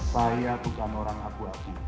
saya bukan orang akuasi